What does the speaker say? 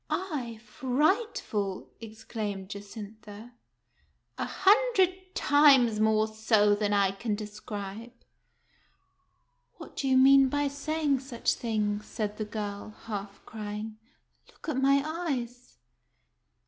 " I frightful !" exclaimed Jacintha. "A hundred times more so than I can describe." "What do you mean by saying such things?" said the girl, half crying. " Look at my eyes."